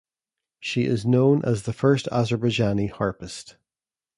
She is known as the first Azerbaijani harpist.